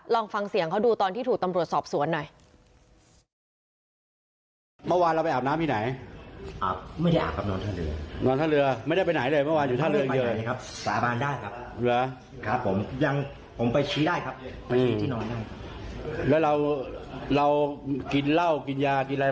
ลองฟังเสียงเขาดูตอนที่ถูกตำรวจสอบสวนหน่อย